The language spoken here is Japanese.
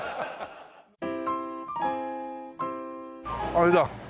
あれだ。